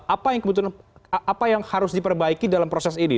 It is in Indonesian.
apa yang kemudian apa yang harus diperbaiki dalam proses ini